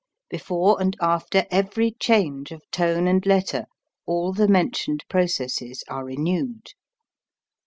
Before and after every change of tone and letter all the mentioned processes are renewed.